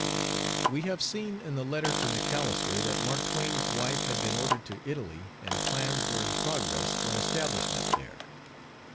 We have seen in the letter to MacAlister that Mark Twain's wife had been ordered to Italy and plans were in progress for an establishment there.